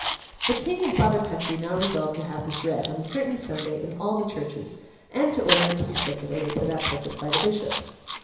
The King and Father Petre now resolved to have this read, on a certain Sunday, in all the churches, and to order it to be circulated for that purpose by the bishops.